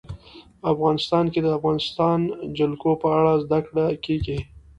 افغانستان کې د د افغانستان جلکو په اړه زده کړه کېږي.